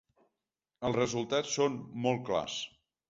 Els resultats són molt clars.